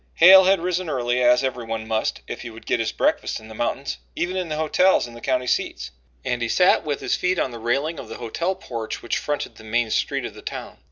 Hale had risen early, as everyone must if he would get his breakfast in the mountains, even in the hotels in the county seats, and he sat with his feet on the railing of the hotel porch which fronted the main street of the town.